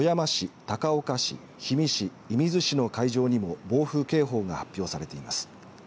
また、富山市、高岡市氷見市、射水市の海上にも暴風警報が発表されています。